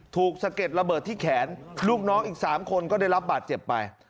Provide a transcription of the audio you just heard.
สะเก็ดระเบิดที่แขนลูกน้องอีก๓คนก็ได้รับบาดเจ็บไป